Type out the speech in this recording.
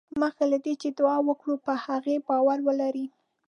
مخکې له دې چې دعا وکړې په هغې باور ولرئ.